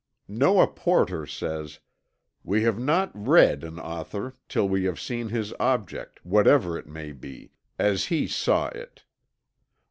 Noah Porter says: "We have not read an author till we have seen his object, whatever it may be, as he saw it."